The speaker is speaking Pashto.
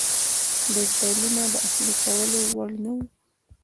ډېر ډولونه د اهلي کولو وړ نه وو.